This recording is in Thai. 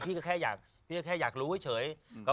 พี่ก็แค่อยากรู้เฉย